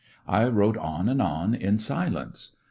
I wrote on and on in silence.